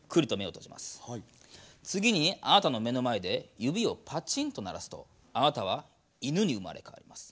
次にあなたの目の前で指をパチンと鳴らすとあなたは犬に生まれ変わります。